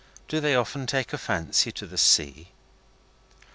Do they often take a fancy to the sea?